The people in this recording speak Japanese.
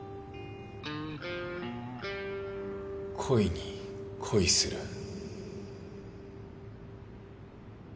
鯉に恋する。